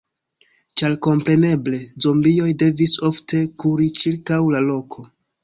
Ĉar kompreneble, zombioj devis ofte kuri ĉirkaŭ la loko...